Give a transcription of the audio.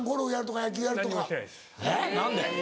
えっ何で？